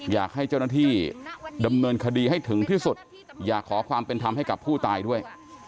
อยากให้เจ้าหน้าที่ดำเนินคดีให้ถึงที่สุดอยากขอความเป็นธรรมให้กับผู้ตายด้วย